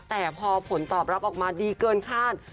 แต่พอผลตอบรับออกมาดีเกินคาด